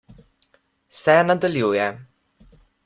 Se nadaljuje ...